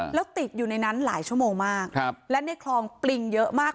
แล้วติดอยู่ในนั้นหลายชั่วโมงมากครับและในคลองปริงเยอะมาก